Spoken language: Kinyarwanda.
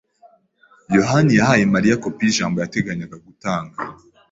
yohani yahaye Mariya kopi yijambo yateganyaga gutanga.